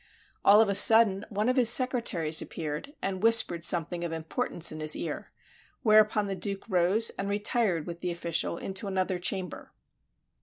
All of a sudden one of his secretaries appeared, and whispered something of importance in his ear; whereupon the Duke rose, and retired with the official into another chamber.